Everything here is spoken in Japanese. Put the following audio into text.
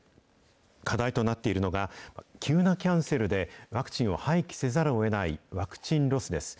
課題となっているのが、急なキャンセルでワクチンを廃棄せざるをえない、ワクチンロスです。